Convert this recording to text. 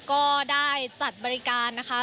ก็ได้จัดบริการนะคะ